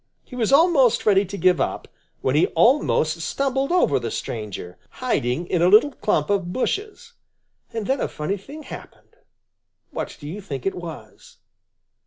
He was almost ready to give up, when he almost stumbled over the stranger, hiding in a little clump of bushes. And then a funny thing happened. What do you think it was?